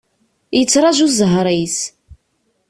Yettraju zzher-is.